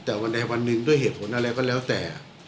แต่วันใดวันหนึ่งด้วยเหตุผลอะไรก็แล้วแต่